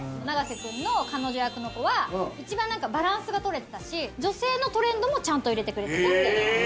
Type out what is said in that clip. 永瀬君の彼女役の子は一番バランスが取れてたし女性のトレンドもちゃんと入れてくれてた。